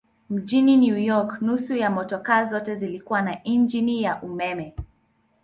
Mjini New York nusu ya motokaa zote zilikuwa na injini ya umeme.